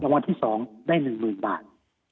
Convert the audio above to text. วันที่๒ได้๑๐๐๐บาท